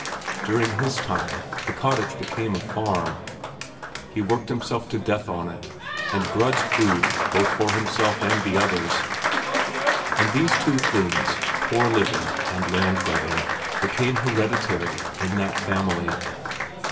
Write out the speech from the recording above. During his time, the cottage became a farm. He worked himself to death on it, and grudged food both for himself and the others. And these two things—poor living and land grabbing—became hereditary in that family.